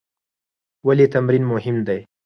ولې تمرین مهم دی؟